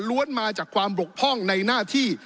มาจากความบกพร่องในหน้าที่